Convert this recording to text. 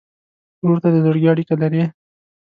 ورور ته د زړګي اړیکه لرې.